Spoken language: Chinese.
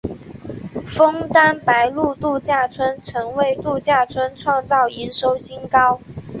枫丹白露度假村曾为度假村创造营收新高。